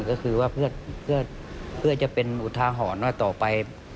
ก็คือว่าเพื่อจะเป็นอุทาหรณ์ว่าต่อไป